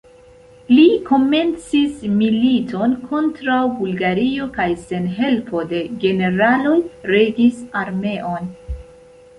Li komencis militon kontraŭ Bulgario kaj sen helpo de generaloj regis armeon.